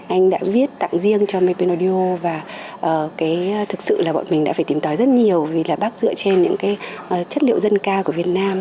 anh đã viết tặng riêng cho mê pê nô điêu và thực sự là bọn mình đã phải tìm tói rất nhiều vì là bác dựa trên những cái chất liệu dân ca của việt nam